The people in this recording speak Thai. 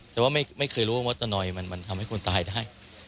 แต่ว่าไม่เคยรู้ว่ามดตะนอยมันทำให้คนตายได้